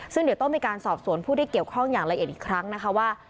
ซึ่งเดี๋ยวต้องมีการสอบสวนผู้ที่เกี่ยวข้องอย่างละเอียดอีกครั้งนะคะว่า